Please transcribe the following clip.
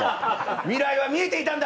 未来は見えていたんだ。